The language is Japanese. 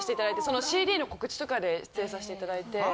そのＣＤの告知とかで出演させて頂いて。